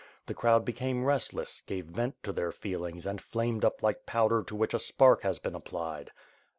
The crowd became restless^ gave vent to their feelings and flamed up like powder to which a spark has been applied.